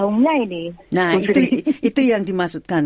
nah itu yang dimaksudkan